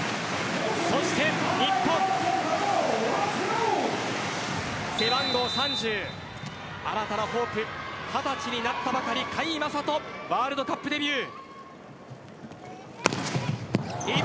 そして、日本背番号３０、新たなホープ二十歳になったばかり、甲斐優斗ワールドカップデビュー。